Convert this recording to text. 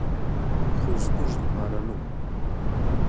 خو زموږ لپاره نه و.